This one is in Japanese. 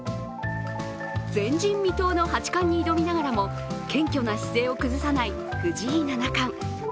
前人未到の八冠に挑みながらも謙虚な姿勢を崩さない藤井七冠。